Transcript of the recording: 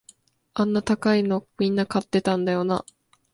あんな高いのみんな買ってたんだよな